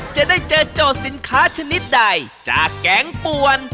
จะได้เจอโจทย์สินค้าชนิดใดจากแกงป่วน